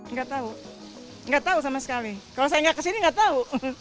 nggak tahu nggak tahu sama sekali kalau saya nggak kesini nggak tahu